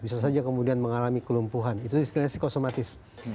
bisa saja kemudian mengalami kelumpuhan itu istilahnya psikosomatis